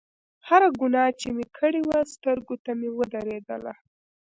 هره ګناه چې مې کړې وه سترګو ته مې ودرېدله.